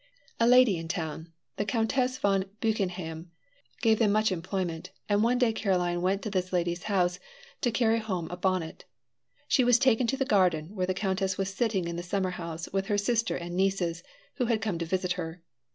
A lady in town the Countess von Buchenhaim gave them much employment, and one day Caroline went to this lady's house to carry home a bonnet. She was taken to the garden, where the countess was sitting in the summer house with her sister and nieces, who had come to visit her.